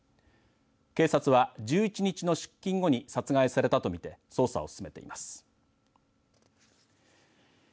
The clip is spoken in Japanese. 警察は、１１日の出勤後に殺害されたとみて捜査を進めています。